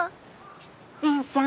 凛ちゃん